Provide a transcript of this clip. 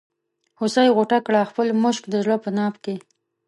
هوسۍ غوټه کړه خپل مشک د زړه په ناف کې.